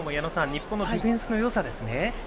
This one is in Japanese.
日本のディフェンスのよさですね。